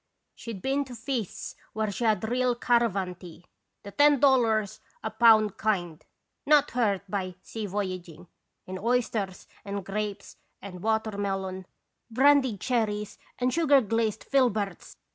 She 'd been to feasts where she had real caravan tea, the ten dollars a pound kind, not hurt by sea voyaging ; and oysters and grapes and water melon, brandied cherries and sugar glazed filberts